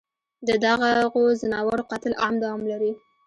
ددغو ځناورو قتل عام دوام لري